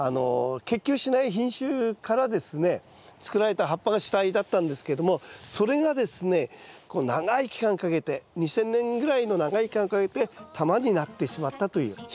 結球しない品種からですね作られた葉っぱが主体だったんですけどもそれがですねこう長い期間かけて２，０００年ぐらいの長い期間かけて玉になってしまったという。